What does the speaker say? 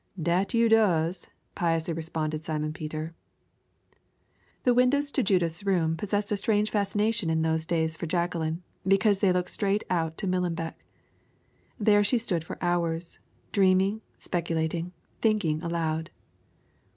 "Dat you does," piously responded Simon Peter. The windows to Judith's room possessed a strange fascination in those days for Jacqueline, because they looked straight out to Millenbeck. There she stood for hours, dreaming, speculating, thinking out aloud.